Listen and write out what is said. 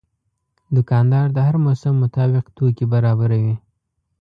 دوکاندار د هر موسم مطابق توکي برابروي.